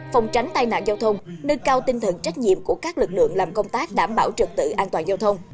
phòng tránh tai nạn giao thông nâng cao tinh thần trách nhiệm của các lực lượng làm công tác đảm bảo trực tự an toàn giao thông